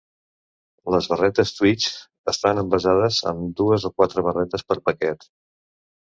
Les barretes Twix estan envasades amb dues o quatre barretes per paquet.